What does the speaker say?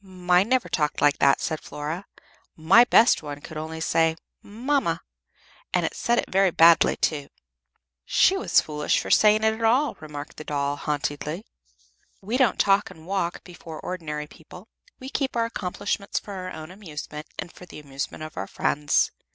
"Mine never talked like that," said Flora. "My best one could only say 'Mamma,' and it said it very badly, too." "She was foolish for saying it at all," remarked the doll, haughtily. "We don't talk and walk before ordinary people; we keep our accomplishments for our own amusement, and for the amusement of our friends.